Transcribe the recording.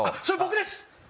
それ僕です